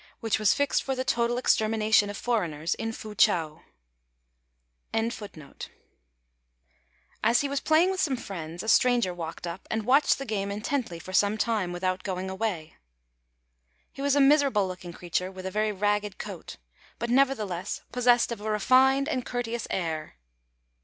One day it was the 9th of the 9th moon, when everybody goes up high as he was playing with some friends, a stranger walked up, and watched the game intently for some time without going away. He was a miserable looking creature, with a very ragged coat, but nevertheless possessed of a refined and courteous air.